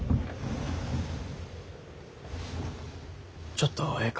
ちょっとええか？